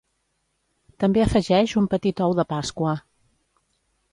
També afegeix un petit ou de pasqua.